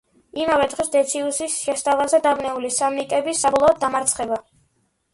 იმავე დღეს დეციუსის შესთავაზა დაბნეული სამნიტების საბოლოოდ დამარცხება.